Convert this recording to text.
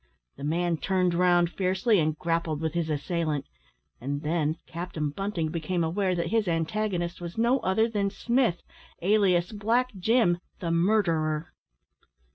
The man turned round fiercely, and grappled with his assailant; and then Captain Bunting became aware that his antagonist was no other than Smith, alias Black Jim, the murderer.